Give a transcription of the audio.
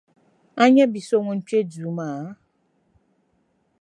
A nya bi so ŋun kpe duu maa?